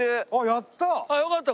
やった！